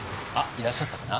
いらっしゃったかな？